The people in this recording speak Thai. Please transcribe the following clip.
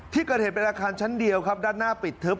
ที่เกิดเหตุเป็นอาคารชั้นเดียวครับด้านหน้าปิดทึบ